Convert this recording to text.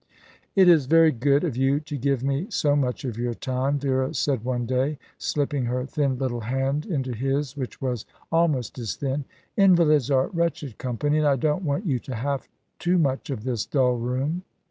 "It is very good of you to give me so much of your time," Vera said one day, slipping her thin little hand into his, which was almost as thin. "Invalids are wretched company, and I don't want you to have too much of this dull room."